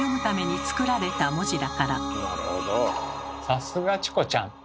さすがチコちゃん！